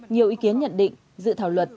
nhiều ý kiến nhận định dự thảo luận